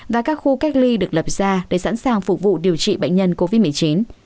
và các khu cách ly được lập ra để sẵn sàng phục vụ điều trị bệnh nhân covid một mươi chín